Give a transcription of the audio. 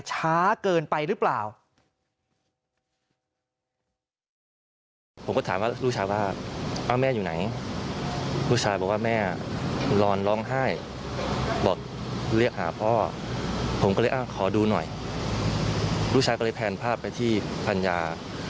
ช้าเกินไปหรือเปล่า